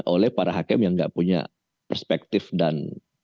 oleh para hakim yang gak punya perspektif dan